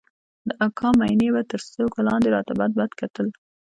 د اکا مينې به تر سترگو لاندې راته بدبد کتل.